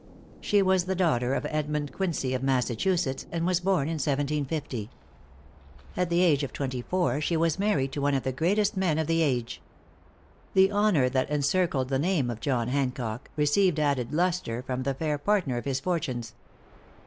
She was the daughter of Edmund Quincy, of Massachusetts, and was born in 1750. At the age of twenty four she was married to one of the greatest men of the age. The honor that encircled the name of John Hancock, received added lustre from the fair partner of his fortunes.